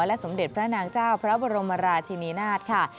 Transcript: และสมเด็จพระนางเจ้าพระบรมราชินีนาฏค่ะ